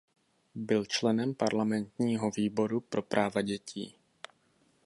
Byl členem parlamentního výboru pro práva dětí.